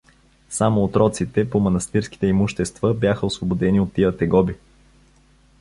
Само отроците по манастирските имущества бяха освободени от тия тегоби.